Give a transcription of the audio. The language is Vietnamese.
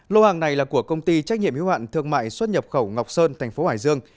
lô hàng này là của công ty trách nhiệm hiếu hạn thương mại xuất nhập khẩu ngọc sơn thành phố hải dương